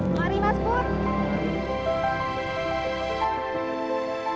mari mas pur